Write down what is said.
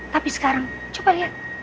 tapi sekarang coba liat